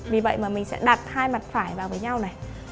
vì vậy mà mình sẽ đặt hai mặt phải vào với nhau này